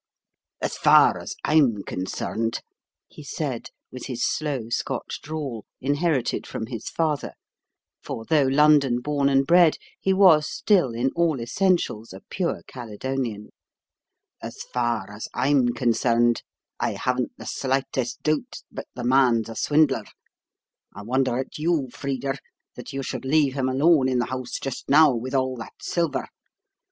"As far as I'm concerned," he said, with his slow Scotch drawl, inherited from his father (for though London born and bred, he was still in all essentials a pure Caledonian) "As far as I'm concerned, I haven't the slightest doubt but the man's a swindler. I wonder at you, Frida, that you should leave him alone in the house just now, with all that silver.